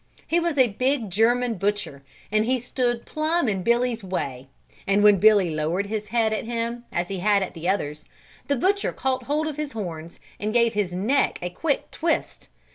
He was a big German butcher and he stood plum in Billy's way, and when Billy lowered his head at him, as he had at the others, the butcher caught hold of his horns and gave his neck a quick twist.